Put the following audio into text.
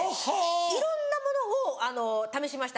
いろんなものを試しました。